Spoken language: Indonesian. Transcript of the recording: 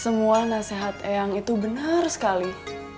semua nasihat eyang itu benar sekali